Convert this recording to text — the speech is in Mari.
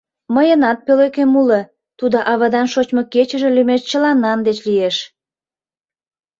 — Мыйынат пӧлекем уло, тудо авадан шочмо кечыже лӱмеш чыланан деч лиеш.